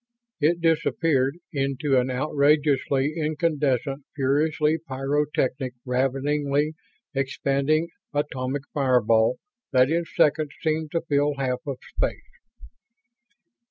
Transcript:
It disappeared into an outrageously incandescent, furiously pyrotechnic, raveningly expanding atomic fireball that in seconds seemed to fill half of space.